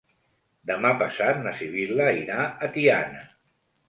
Demà passat na Sibil·la irà a Tiana.